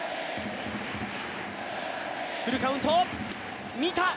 フルカウント、見た。